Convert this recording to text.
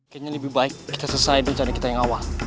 kayaknya lebih baik kita selesai rencana kita yang awal